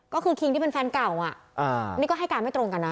ก็คือคิงที่เป็นแฟนเก่าอ่ะนี่ก็ให้การไม่ตรงกันนะ